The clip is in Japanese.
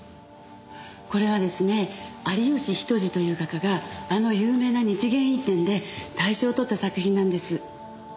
これはですね有吉比登治という画家があの有名な日芸院展で大賞をとった作品なんです。